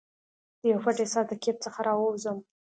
دیو پټ احساس د کیف څخه راوزم